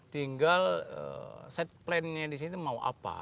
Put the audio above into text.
tinggal side plannya di sini mau apa